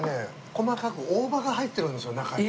細かく大葉が入ってるんですよ中に。